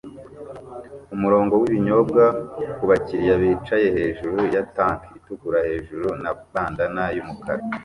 umurongo wibinyobwa kubakiriya bicaye hejuru ya tank itukura hejuru na bandanna yumukara